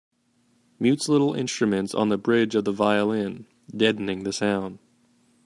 Mutes little instruments on the bridge of the violin, deadening the sound